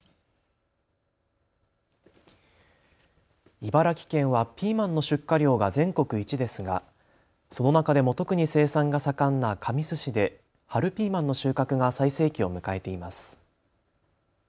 茨城県はピーマンの出荷量が全国一ですがその中でも特に生産が盛んな神栖市で春ピーマンの収穫が最盛期を迎えています。